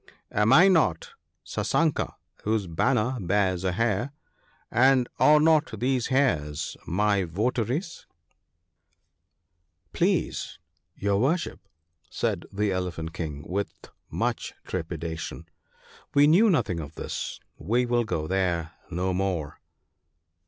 Am I not ' Sasanka ( ;fl ), whose banner bears a hare, and are not these hares my votaries ?"' 'Please your worship/ said the Elephant king with much trepidation, ' we knew nothing of this ; we will go there no more.'